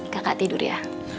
kakak tidur ya